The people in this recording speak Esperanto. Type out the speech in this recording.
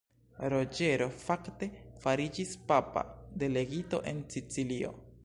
Roĝero, fakte, fariĝis papa delegito en Sicilio.